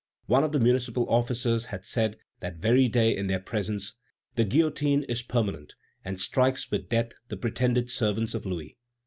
One of the municipal officers had said that very day in their presence: "The guillotine is permanent, and strikes with death the pretended servants of Louis."